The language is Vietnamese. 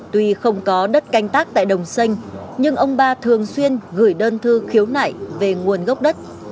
tuy không có đất canh tác tại đồng sinh nhưng ông ba thường xuyên gửi đơn thư khiếu nại về nguồn gốc đất